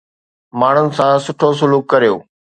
ماڻهن سان سٺو سلوڪ ڪريو